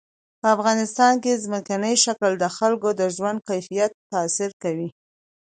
په افغانستان کې ځمکنی شکل د خلکو د ژوند کیفیت تاثیر کوي.